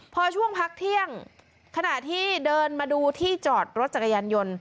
พอช่วงพักเที่ยงขณะที่เดินมาดูที่จอดรถจักรยานยนต์